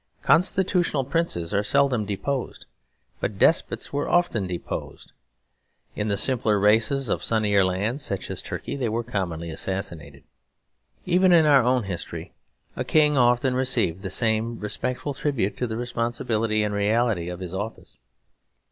Constitutional princes are seldom deposed; but despots were often deposed. In the simpler races of sunnier lands, such as Turkey, they were commonly assassinated. Even in our own history a King often received the same respectful tribute to the responsibility and reality of his office.